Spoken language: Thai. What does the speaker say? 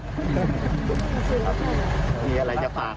มีอะไรจะฝากไปถึงใครไหมครับป้าแตนครับ